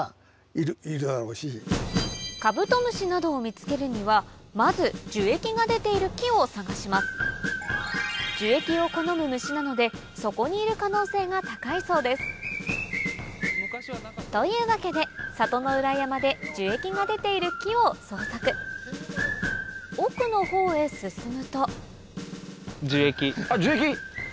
カブトムシなどを見つけるにはまず樹液を好む虫なのでそこにいる可能性が高いそうですというわけで里の裏山で樹液が出ている木を捜索奥のほうへ進むと樹液。